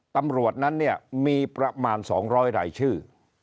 ตำรวจนั้นเนี่ยมีประมาณ๒๐๐รายชื่อ